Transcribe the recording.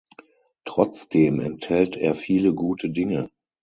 Trotzdem enthält er viele gute Dinge.